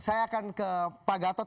saya akan ke pak gatot